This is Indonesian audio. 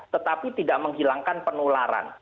tetapi tidak menghilangkan penularan